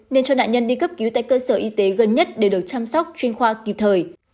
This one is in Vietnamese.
nên cho nạn nhân đi cấp cứu tại cơ sở y tế gần nhất để được chăm sóc chuyên khoa kịp thời